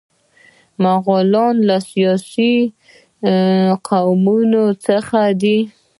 مغولان له اسیایي قومونو څخه دي.